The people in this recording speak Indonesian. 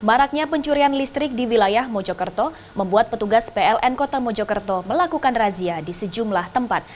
maraknya pencurian listrik di wilayah mojokerto membuat petugas pln kota mojokerto melakukan razia di sejumlah tempat